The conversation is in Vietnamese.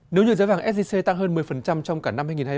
nếu như giá vàng sgc tăng hơn một mươi trong cả năm hai nghìn hai mươi ba